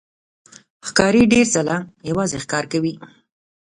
ښکاري ډېر ځله یوازې ښکار کوي.